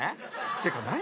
てかなに？